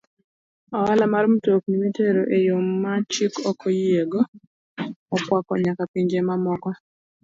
Ohala mar mtokni mitero e yo ma chik ok oyiego okwako nyaka pinje mamoko.